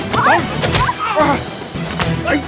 ปอยเช็ค